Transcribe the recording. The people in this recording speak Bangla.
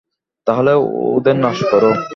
তাহলে ওদের নাশ করো।